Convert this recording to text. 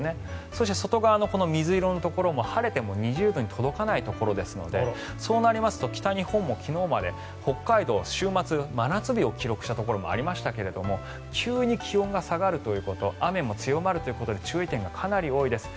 そして外側の水色のところも晴れても２０度に届かないところですのでそうなりますと北日本も昨日まで北海道は週末に真夏日を記録したところもありましたが急に気温が下がるということ雨も強まるということで注意点がかなり多いです。